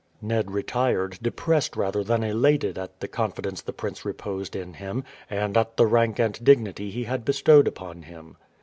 Ned retired depressed rather than elated at the confidence the prince reposed in him, and at the rank and dignity he had bestowed upon him.